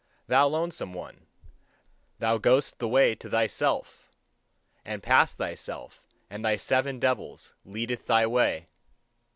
Thou lonesome one, thou goest the way to thyself! And past thyself and thy seven devils leadeth thy way!